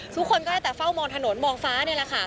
ทุกคนก็ได้แต่เฝ้ามองถนนมองฟ้านี่แหละค่ะ